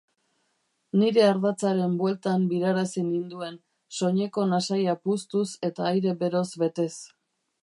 Nire ardatzaren bueltan birarazi ninduen, soineko nasaia puztuz eta aire beroz betez.